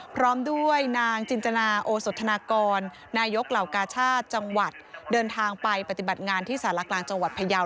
พร้อมด้วยนางจินจนาโอสธนากรนายกเหล่ากาชาติจังหวัดเดินทางไปปฏิบัติงานที่สารกลางจังหวัดพยาว